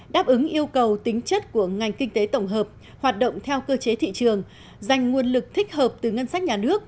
đáp ứng yêu cầu tính chất của ngành kinh tế tổng hợp hoạt động theo cơ chế thị trường dành nguồn lực thích hợp từ ngân sách nhà nước